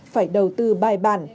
phải đầu tư bài bản